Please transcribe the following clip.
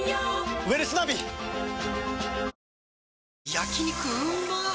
焼肉うまっ